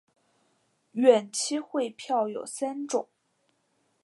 远期汇票有三种。